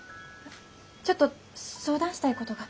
ちょっと相談したいことが。